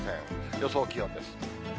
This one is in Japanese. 予想気温です。